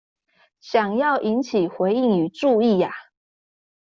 想要引起回應與注意呀